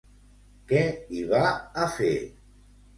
Què hi va a fer?